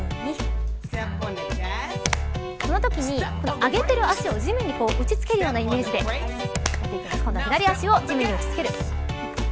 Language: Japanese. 上げている足を地面に打ち付けるようなイメージで今度は左足を地面に打ち付ける。